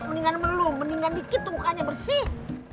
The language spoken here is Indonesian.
mendingan melum mendingan dikit tuh mukanya bersih